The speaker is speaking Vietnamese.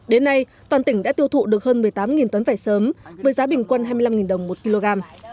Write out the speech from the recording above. đến nay toàn tỉnh đã tiêu thụ được hơn một mươi tám tấn vải sớm với giá bình quân hai mươi năm đồng một kg